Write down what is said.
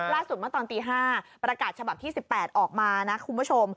เมื่อตอนตี๕ประกาศฉบับที่๑๘ออกมานะคุณผู้ชม